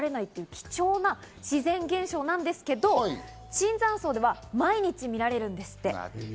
貴重な自然現象なんですけれども、椿山荘では毎日見られるんですって。